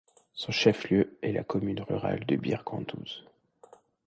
Son chef-lieu est la commune rurale de Bir Gandouz.